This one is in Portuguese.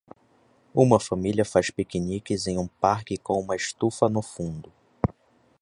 Uma família faz piqueniques em um parque com uma estufa no fundo.